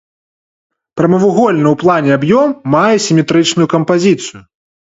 Прамавугольны ў плане аб'ём мае сіметрычную кампазіцыю.